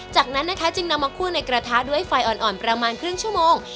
จากนั้นนะคะจึงนำมาคั่วในกระทะด้วยไฟอ่อนประมาณครึ่งชั่วโมง